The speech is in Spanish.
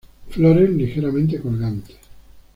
Flores ligeramente colgantes.